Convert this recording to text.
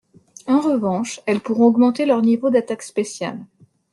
En revanche, elle pourront augmenter leur niveau d'attaque spéciale.